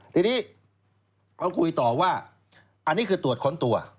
ทีนี้เราคุยต่อว่าอันนี้คือตรวจค้นตัว